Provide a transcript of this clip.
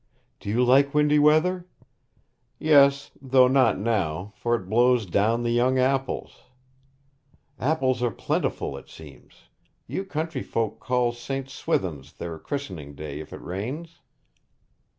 'Do you like windy weather?' 'Yes; though not now, for it blows down the young apples.' 'Apples are plentiful, it seems. You country folk call St. Swithin's their christening day, if it rains?'